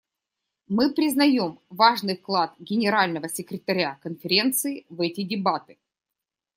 Мы признаем важный вклад Генерального секретаря Конференции в эти дебаты.